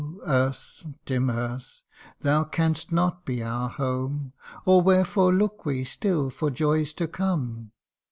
Earth, dim Earth, thou canst not be our home ; Or wherefore look we still for joys to come